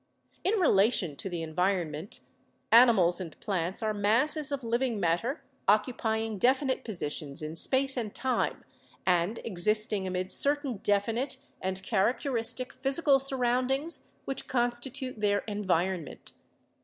In relation to the environment animals and plants are masses of living matter occupying definite positions in space and time and existing amid certain definite and characteristic physical surroundings which constitute their "environment."